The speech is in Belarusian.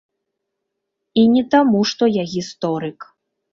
І не таму, што я гісторык.